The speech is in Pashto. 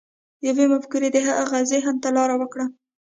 يوې مفکورې د هغه ذهن ته لار وکړه.